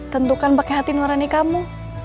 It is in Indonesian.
tentukan pakai hati nurani kamu